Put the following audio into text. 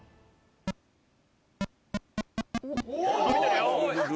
伸びてるよ！